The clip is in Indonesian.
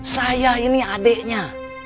saya ini adeknya